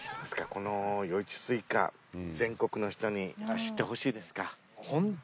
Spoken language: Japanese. この与一西瓜全国の人に知ってほしいですか？